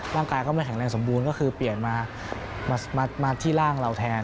ร่างกายก็ไม่แข็งแรงสมบูรณ์ก็คือเปลี่ยนมาที่ร่างเราแทน